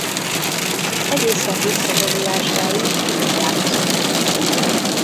Egészen visszavonulásáig itt játszott.